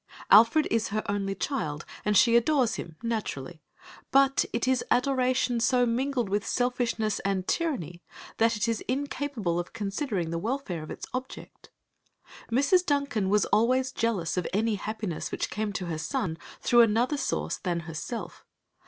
Alfred is her only child, and she adores him, naturally, but it is adoration so mingled with selfishness and tyranny that it is incapable of considering the welfare of its object. Mrs. Duncan was always jealous of any happiness which came to her son through another source than herself.